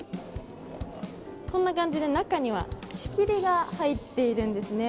こんな感じで、中には仕切りが入っているんですね。